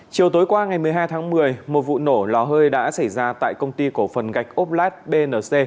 chiều tối qua ngày một mươi hai tháng một mươi một vụ nổ lò hơi đã xảy ra tại công ty cổ phần gạch ốp lát bnc